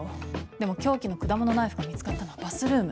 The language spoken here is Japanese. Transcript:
でも凶器の果物ナイフが見つかったのはバスルーム。